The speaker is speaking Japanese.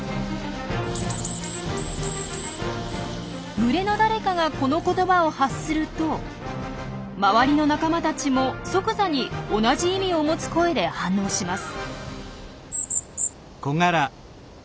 群れの誰かがこの言葉を発すると周りの仲間たちも即座に同じ意味を持つ声で反応します。